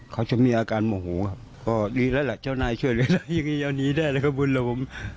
เขาจะมีอาการหม่อหูครับอ๋อดีแล้วล่ะเจ้านายช่วยเลยอย่างงี้ยาวหนีได้แล้วก็บุญล่ะผม